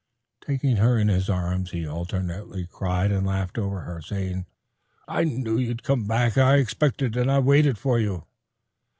Taking her in his arms he alternately cried and laughed over her, saying, "I knew you'd come. I expected it. I've waited for you."